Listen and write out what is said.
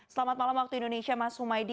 selamat malam waktu indonesia mas humaydi